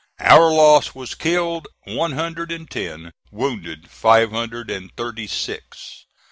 Our loss was: killed, one hundred and ten; wounded, five hundred and thirty six.